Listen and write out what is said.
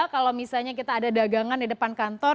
kalau misalnya kita ada dagangan di depan kantor